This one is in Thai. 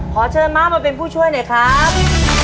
ขอเชิญม้ามาเป็นผู้ช่วยหน่อยครับ